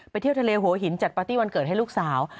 เที่ยวทะเลหัวหินจัดปาร์ตี้วันเกิดให้ลูกสาว